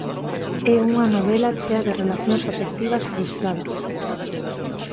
É unha novela chea de relacións afectivas frustradas.